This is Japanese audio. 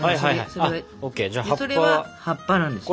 それは葉っぱなんです。